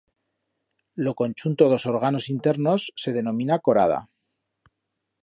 Lo conchunto d'os organos internos se denomina corada.